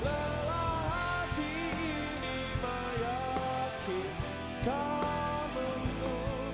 lelah hati ini meyakinkanmu